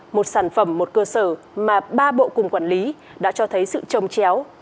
một sản phẩm một cơ sở mà ba bộ cùng quản lý đã cho thấy sự trồng chéo